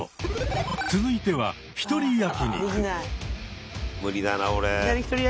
続いては「ひとり焼き肉」。